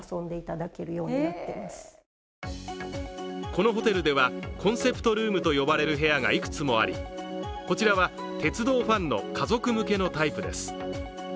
このホテルでは、コンセプトルームと呼ばれる部屋がいくつもありこちらは鉄道ファンの家族向けのタイプです。